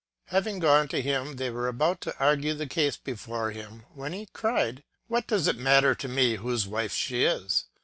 Having gone to him, they were about to argue the case before him, when he cried :^^ What does it matter to me whose wife she is?